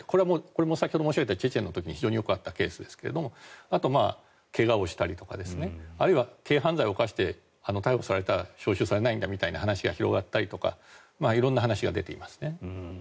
これも先ほど申し上げたチェチェンの時に非常によくあったケースですがあと怪我をしたりとか軽犯罪を犯して逮捕されたら招集されないんだみたいな話が出ていたりとか色んな話が出ていますね。